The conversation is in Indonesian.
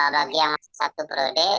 bagi yang masih satu periode